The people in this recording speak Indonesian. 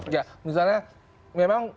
ya misalnya memang